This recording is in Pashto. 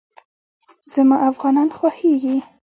زما افغانان خوښېږي